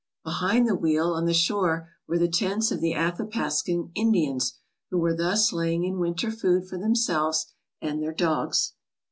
Behind the wheel on the shore were the tents of the Athapascan Indians, who were thus laying in winter food for themselves and their dogs.